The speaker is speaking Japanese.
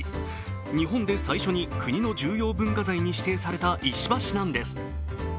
日本で最初に国の重要文化財に指定された石橋なんです。